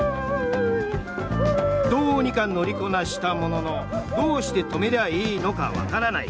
どうにか乗りこなしたもののどうして止めればいいのか分からない。